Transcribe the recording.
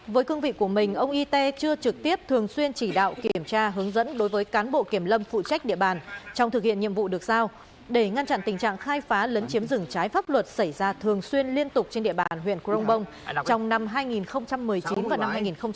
với cương vị của mình ông ite chưa trực tiếp thường xuyên chỉ đạo kiểm tra hướng dẫn đối với cán bộ kiểm lâm phụ trách địa bàn trong thực hiện nhiệm vụ được sao để ngăn chặn tình trạng khai phá lấn chiếm rừng trái pháp luật xảy ra thường xuyên liên tục trên địa bàn huyện crong bông trong năm hai nghìn một mươi chín và năm hai nghìn hai mươi